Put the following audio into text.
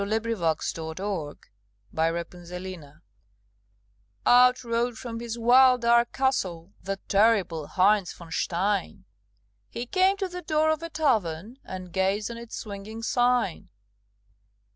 _ THE LEGEND OF HEINZ VON STEIN Out rode from his wild, dark castle The terrible Heinz von Stein; He came to the door of a tavern And gazed on its swinging sign.